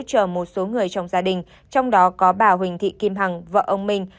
chờ một số người trong gia đình trong đó có bà huỳnh thị kim hằng vợ ông minh